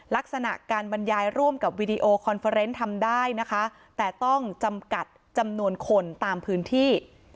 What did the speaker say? ลักษณะการบรรยายร่วมกับวีดีโอคอนเฟอร์เนส์ทำได้นะคะแต่ต้องจำกัดจำนวนคนตามพื้นที่